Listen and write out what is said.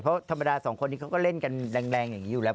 เพราะธรรมดาสองคนนี้เขาก็เล่นกันแรงอย่างนี้อยู่แล้ว